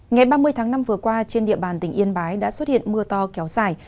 ngày ba mươi tháng năm vừa qua trên địa bàn tỉnh yên bái đã xuất hiện mưa to kéo dài